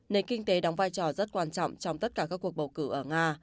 nền kinh tế đóng vai trò rất quan trọng trong tất cả các cuộc bầu cử ở nga